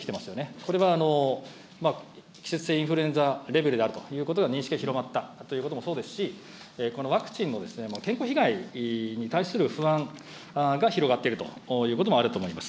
これは季節性インフルエンザレベルであるということが、認識が広まったということもそうですし、このワクチンのですね、健康被害に対する不安が広がっているということもあると思います。